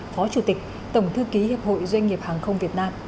phó chủ tịch tổng thư ký hiệp hội doanh nghiệp hàng không việt nam